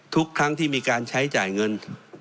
ทุกครั้งที่มีการใช้จ่ายเงิน